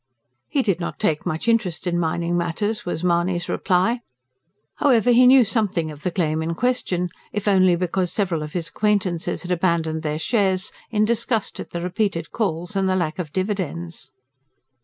He did not take much interest in mining matters was Mahony's reply. However he knew something of the claim in question, if only because several of his acquaintances had abandoned their shares, in disgust at the repeated calls and the lack of dividends.